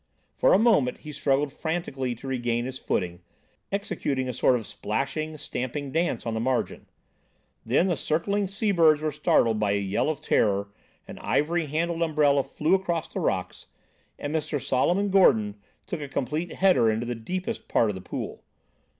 For a moment he struggled frantically to regain his footing, executing a sort of splashing, stamping dance on the margin. Then, the circling sea birds were startled by a yell of terror, an ivory handled umbrella flew across the rocks, and Mr. Solomon Gordon took a complete header into the deepest part of the pool.